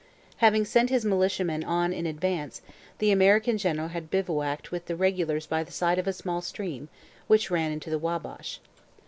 Having sent his militiamen on in advance, the American general had bivouacked with the regulars by the side of a small stream, which ran into the Wabash.